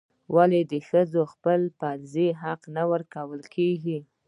ولې د ښځو خپل فرض حق نه ورکول کیږي؟